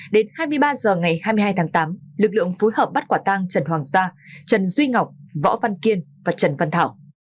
đến hai mươi ba h ngày hai mươi hai tháng tám lực lượng phối hợp bắt quả tang trần hoàng sa trần duy ngọc võ văn kiên và trần văn thảo